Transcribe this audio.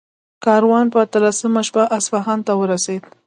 کاروان په اتلسمه شپه اصفهان ته ورسېد.